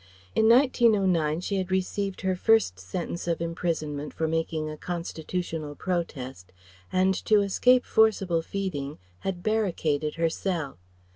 In 1909 she had received her first sentence of imprisonment for making a constitutional protest, and to escape forcible feeding had barricaded her cell.